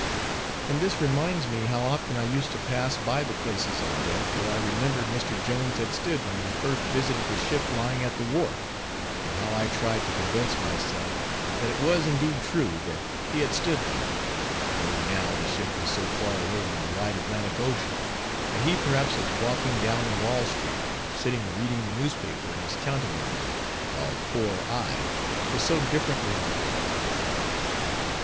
And this reminds me how often I used to pass by the places on deck, where I remembered Mr. Jones had stood when we first visited the ship lying at the wharf; and how I tried to convince myself that it was indeed true, that he had stood there, though now the ship was so far away on the wide Atlantic Ocean, and he perhaps was walking down Wall street, or sitting reading the newspaper in his counting room, while poor I was so differently employed.